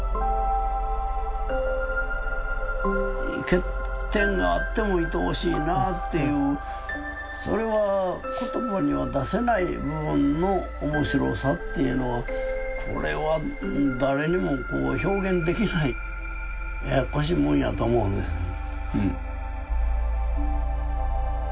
欠点があってもいとおしいなっていうそれは言葉には出せない部分の面白さっていうのはこれは誰にもこう表現できないややっこしいもんやと思うんですね。